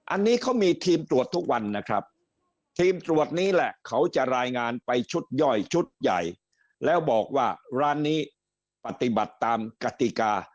อันนี้เขามีทีมตรวจทุกวันนะครับทีมตรวจนี้แหละเขาจะรายงานไปชุดย่อยชุดใหญ่แล้วบอกว่าร้านนี้ปฏิบัติตามกติกา